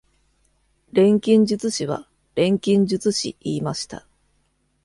錬金術師は「錬金術師」言いました。